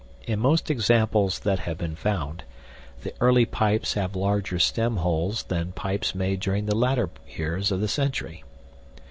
In most examples that have been found, the early pipes have larger stem holes than pipes made during the latter years of the century.